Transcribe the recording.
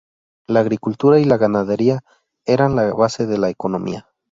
La agricultura y la ganadería eran la base de la economía.